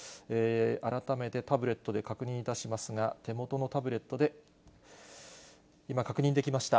改めてタブレットで確認いたしますが、手元のタブレットで今、確認できました。